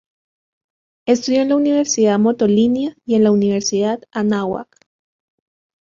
Estudió en la Universidad Motolinía y en la Universidad Anáhuac.